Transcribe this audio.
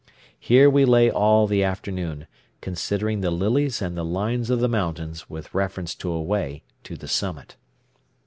Here we lay all the afternoon, considering the lilies and the lines of the mountains with reference to a way to the summit.